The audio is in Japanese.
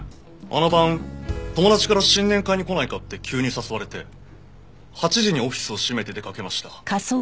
あの晩友達から新年会に来ないかって急に誘われて８時にオフィスを閉めて出掛けました。